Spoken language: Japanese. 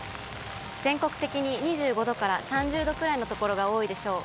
全国的に２５度から３０度くらいの所が多いでしょう。